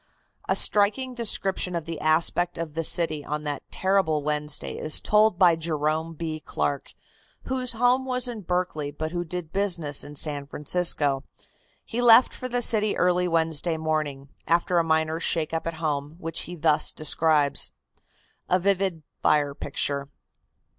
A striking description of the aspect of the city on that terrible Wednesday is told by Jerome B. Clark, whose home was in Berkeley, but who did business in San Francisco. He left for the city early Wednesday morning, after a minor shake up at home, which he thus describes: A VIVID FIRE PICTURE.